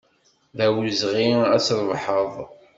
D awezɣi ad t-trebḥeḍ.